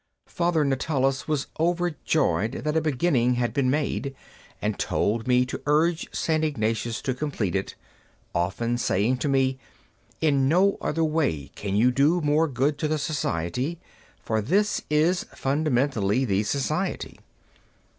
Father Natalis was overjoyed that a beginning had been made, and told me to urge St. Ignatius to complete it, often saying to me, "In no other way can you do more good to the Society, for this is fundamentally the Society."